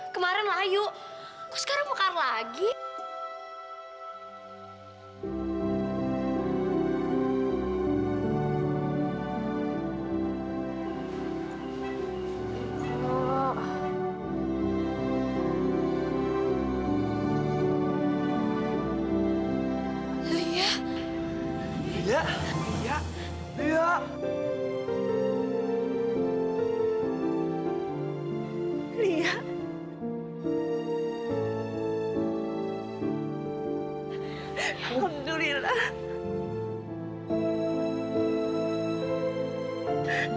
kayu fala rrated man